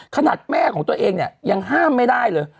ขนาดแม่ของตัวเองเนี่ยยังห้ามไม่ได้เลย